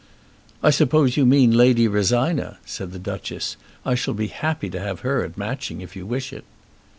"I suppose you mean Lady Rosina?" said the Duchess. "I shall be happy to have her at Matching if you wish it."